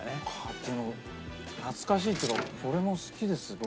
でも懐かしいっていうかこれも好きです僕。